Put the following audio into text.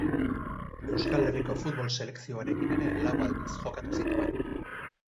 Euskal Herriko futbol selekzioarekin ere lau aldiz jokatu zituen.